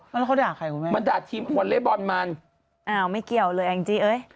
แล้วเขาด่าใครคุณแม่มันด่าทีมวอเล่บอลมันอ้าวไม่เกี่ยวเลยแองจี้เอ้ย